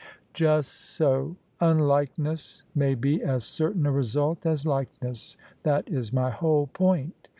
" Just so. Unlikeness may be as certain a result as like ness. That is my whole point."